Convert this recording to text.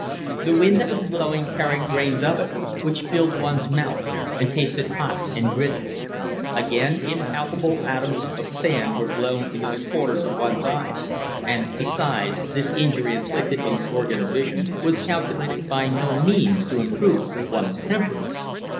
The wind that was blowing carried grains of it, which filled one's mouth and tasted hot and gritty; again, impalpable atoms of sand were blown into the corners of one's eyes, and, besides, this injury inflicted on the organ of vision was calculated by no means to improve one's temper.